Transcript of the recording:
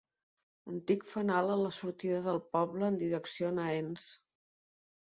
Antic fanal a la sortida del poble en direcció a Naens.